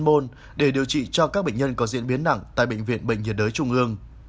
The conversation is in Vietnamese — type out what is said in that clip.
môn để điều trị cho các bệnh nhân có diễn biến nặng tại bệnh viện bệnh nhiệt đới trung ương